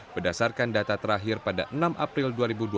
berdasarkan data terakhir pada enam april dua ribu dua puluh